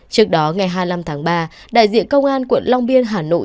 trước đó ngày hai mươi năm tháng ba đại diện công an quận long biên hà nội